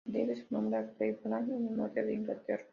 Debe su nombre a Cleveland, en el norte de Inglaterra.